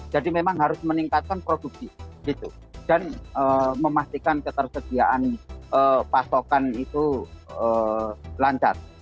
jadi memang harus meningkatkan produksi dan memastikan ketersediaan pasokan itu lancar